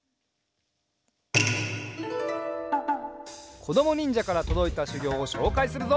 こどもにんじゃからとどいたしゅぎょうをしょうかいするぞ。